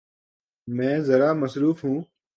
میں ذرا مصروف ہوں۔